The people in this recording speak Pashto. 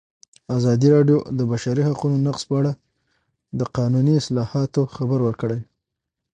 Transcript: ازادي راډیو د د بشري حقونو نقض په اړه د قانوني اصلاحاتو خبر ورکړی.